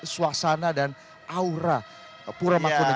suasana dan aura purwomakonegara